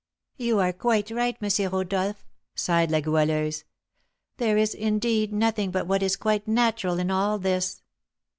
"You are quite right, M. Rodolph," sighed La Goualeuse. "There is, indeed, nothing but what is quite natural in all this."